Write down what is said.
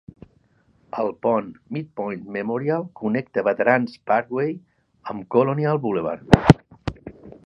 El pont Midpoint Memorial connecta Veterans Parkway amb Colonial Boulevard.